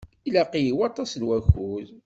Ilaq-iyi waṭas n wakud.